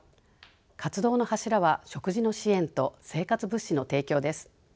活動の柱は食事の支援と生活物資の提供です。